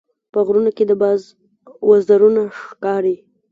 په غرونو کې د باز وزرونه ښکاري.